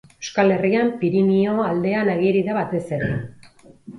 Euskal Herrian Pirinio aldean ageri da batez ere.